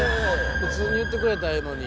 普通に言ってくれたらええのに。